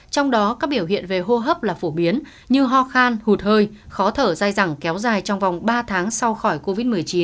trong đó các biểu hiện về hô hấp là phổ biến như ho khan hụt hơi khó thở dai dẳng kéo dài trong vòng ba tháng sau khỏi covid một mươi chín